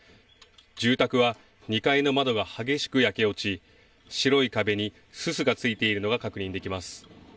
住宅は２階の窓が激しく焼け落ち白い壁にすすが付いているのが確認できます。